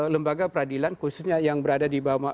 lembaga peradilan khususnya yang berada di bawah